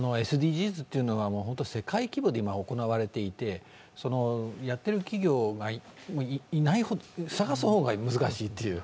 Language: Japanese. ＳＤＧｓというのは世界規模で今行われていてやっていない企業を探す方が難しいという。